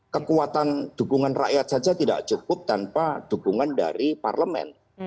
kekuatan dukungan rakyat saja tidak cukup tanpa dukungan dari parlemen